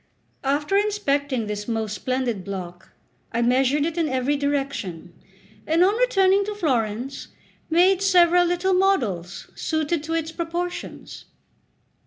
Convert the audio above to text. After inspecting this most splendid block, I measured it in every direction, and on returning to Florence, made several little models suited to its proportions.